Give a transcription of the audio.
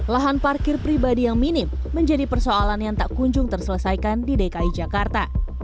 lahan parkir pribadi yang minim menjadi persoalan yang tak kunjung terselesaikan di dki jakarta